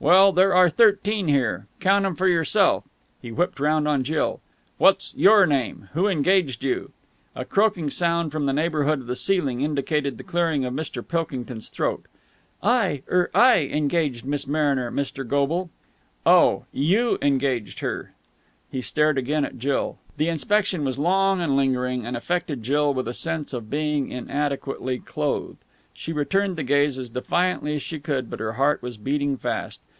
"Well, there are thirteen here. Count 'em for yourself." He whipped round on Jill. "What's your name? Who engaged you?" A croaking sound from the neighbourhood of the ceiling indicated the clearing of Mr. Pilkington's throat. "I er I engaged Miss Mariner, Mr. Goble." "Oh, you engaged her?" He stared again at Jill. The inspection was long and lingering, and affected Jill with a sense of being inadequately clothed. She returned the gaze as defiantly as she could, but her heart was beating fast.